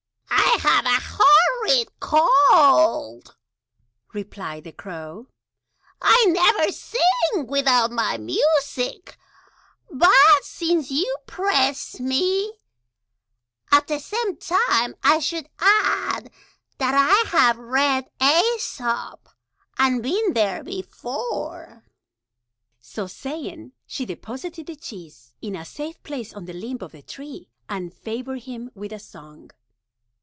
"I have a horrid Cold," replied the Crow, "and never sing without my Music; but since you press me at the same time, I should add that I have read Æsop, and been there before." So saying, she deposited the Cheese in a safe Place on the Limb of the Tree, and favored him with a Song.